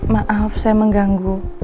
maaf saya mengganggu